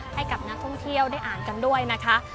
ให้กับนักท่องเที่ยวได้อ่านกันด้วยนะคะ